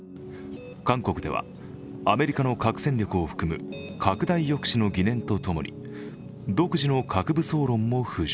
韓国ではアメリカの核戦力を含む拡大抑止の疑念と共に独自の核武装論も浮上。